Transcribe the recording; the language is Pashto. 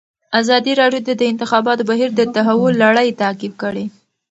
ازادي راډیو د د انتخاباتو بهیر د تحول لړۍ تعقیب کړې.